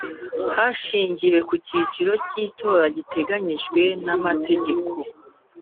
Hashingiwe ku cyiciro cy’ itora giteganyijwe n’amategeko